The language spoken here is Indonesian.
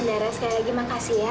darah sekali lagi makasih ya